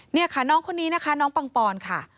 นี่ค่ะน้องคนนี้นะคะน้องปังปอนค่ะ